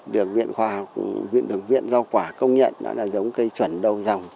được viện khoa học được viện do quả công nhận đó là giống cây chuẩn đầu dòng